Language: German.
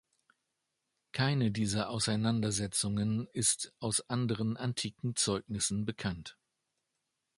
Keine dieser Auseinandersetzungen ist aus anderen antiken Zeugnissen bekannt.